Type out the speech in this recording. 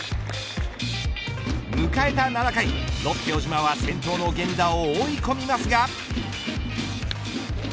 迎えた７回、ロッテ小島は先頭の源田を追い込みますが。